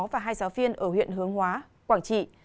và hai giáo viên ở huyện hướng hóa quảng trị